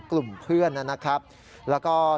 สวัสดีครับทุกคน